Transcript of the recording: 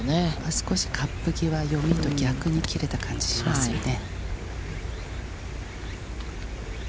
少しカップ際、読みと逆に切れた感じがしますよね。